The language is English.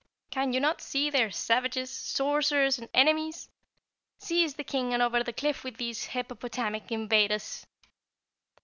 Can you not see they are savages, sorcerers and enemies? Seize the King and over the cliff with these hippopotamic invaders!"